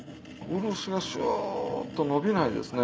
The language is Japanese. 漆がシュっとのびないですね。